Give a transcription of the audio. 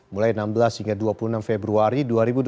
mulai enam belas hingga dua puluh enam februari dua ribu dua puluh